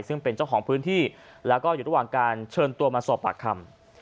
ซึ่งเป็นเจ้าของพื้นที่แล้วก็อยู่ระหว่างการเชิญตัวมาสอบปากคำ